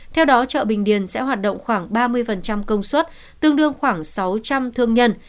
theo đó chợ bình điền sẽ hoạt động khoảng ba mươi công suất tương đương khoảng sáu trăm linh thương nhân